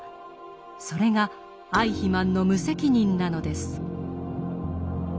それがアイヒマンの無責任なのです。